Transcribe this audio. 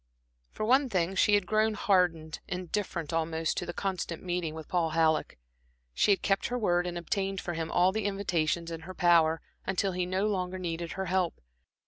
For one thing, she had grown hardened, indifferent almost to the constant meeting with Paul Halleck. She had kept her word and obtained for him all the invitations in her power, until he no longer needed her help.